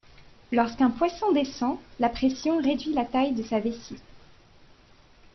Lorsqu'un poisson descend, la pression réduit la taille de sa vessie.